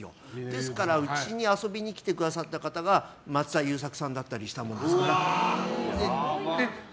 ですからうちに遊びに来てくださった方が松田優作さんだったりしたものですから。